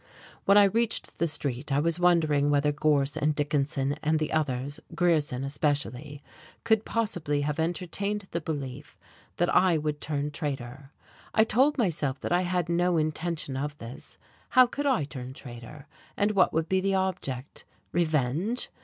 When I reached the street I was wondering whether Gorse and Dickinson and the others, Grierson especially, could possibly have entertained the belief that I would turn traitor? I told myself that I had no intention of this. How could I turn traitor? and what would be the object? revenge?